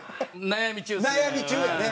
悩み中やね。